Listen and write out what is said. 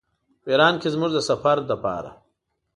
په ایران کې زموږ د سفر لپاره.